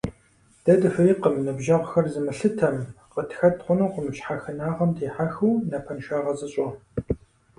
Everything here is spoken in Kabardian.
Дэ дыхуейкъым ныбжьэгъугъэр зымылъытэм, къытхэт хъунукъым щхьэхынагъэм дихьэхыу напэншагъэ зыщӀэ.